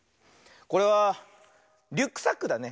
これはリュックサックだね。